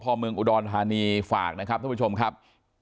สพมอุดรฐานีฝากนะครับท่านผู้ชมครับ